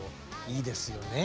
いいですよね。